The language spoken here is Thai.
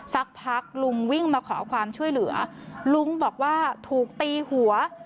สักพักลุงวิ่งมาขอความช่วยเหลือลุงบอกว่าถูกตีหัว